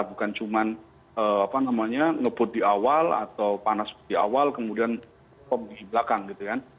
bukan cuma ngebut di awal atau panas di awal kemudian pom di belakang gitu kan